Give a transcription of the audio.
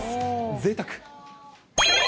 ぜいたく。